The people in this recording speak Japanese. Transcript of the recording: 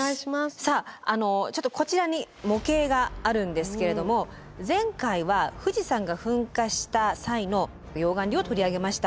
さあちょっとこちらに模型があるんですけれども前回は富士山が噴火した際の溶岩流を取り上げました。